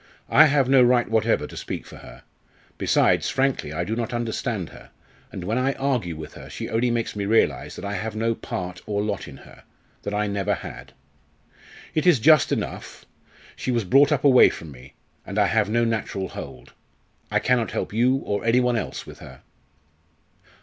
"I have no right whatever to speak for her. Besides, frankly, I do not understand her, and when I argue with her she only makes me realise that I have no part or lot in her that I never had. It is just enough. She was brought up away from me. And I have no natural hold. I cannot help you, or any one else, with her."